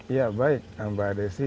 ya baik mbak adesi